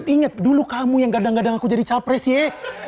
ingat dulu kamu yang gadang gadang aku jadi capres ya